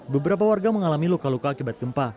beberapa warga mengalami luka luka akibat gempa